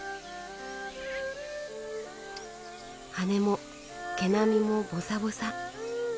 羽も毛並みもぼさぼさ。